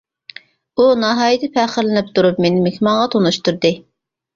ئۇ ناھايىتى پەخىرلىنىپ تۇرۇپ مېنى مېھمانغا تونۇشتۇردى.